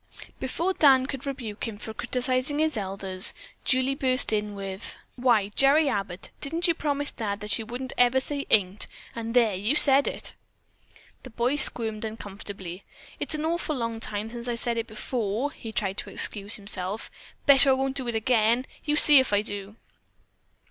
Before Dan could rebuke him for criticizing his elders, Julie burst in with, "Why, Gerry Abbott, didn't you promise Dad you wouldn't ever say ain't, and there you said it." The boy squirmed uncomfortably. "It's an awful long time since I said it before," he tried to excuse himself. "I bet you I won't do it again. You see if I do."